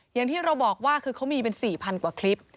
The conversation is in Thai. อย่างที่เราบอกว่าคือเขามีเป็น๔๐๐กว่าคลิป